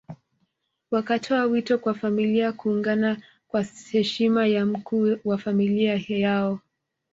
Wakatoa wito kwa familia kuungana kwa heshima ya mkuu wa familia yao